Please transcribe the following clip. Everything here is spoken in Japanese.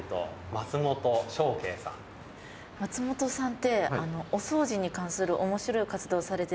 松本さんっておそうじに関する面白い活動をされてるって聞いたんですけど。